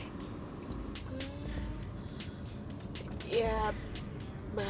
tentang materialistis gitu deh